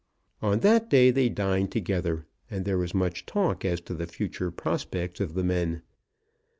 On that day they dined together, and there was much talk as to the future prospects of the men.